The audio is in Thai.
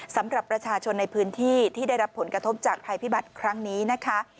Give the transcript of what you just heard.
สำหรับประชาชนในพื้นที่ที่ได้รับผลกระทบจากภัยพิบัติครั้งนี้นะคะ